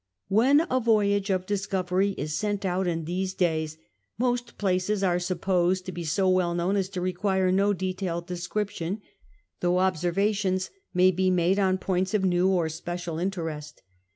When a voyage of discovery is sent out in these days, most places are supposed to be so well known as to require no detailed description, though observations may be made on points of new or special interest.